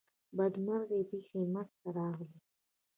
بدمرغي پیښی منځته راغلې.